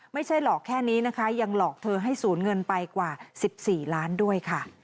ไม่ใช่หลอกแค่นี้นะคะยังหลอกเธอให้สูญเงินไปกว่า๑๔ล้านด้วยค่ะ